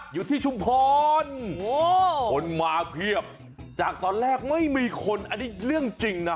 ชุมพรคนมาเพียบจากตอนแรกไม่มีคนอันนี้เรื่องจริงนะ